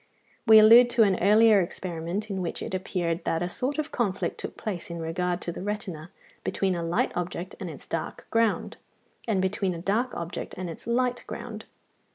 We allude to an earlier experiment, in which it appeared that a sort of conflict took place in regard to the retina between a light object and its dark ground, and between a dark object and its light ground (16).